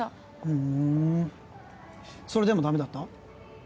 ふんそれでもダメだった？